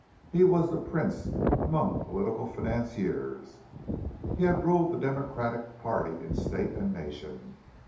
He was the prince among political financiers; he had ruled the Democratic party in state and nation.